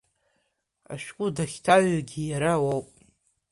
Ашәҟәы дахьҭаҩугьы иара уоуп.